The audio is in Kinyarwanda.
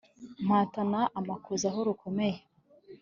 mpatana amakuza aho rukomeye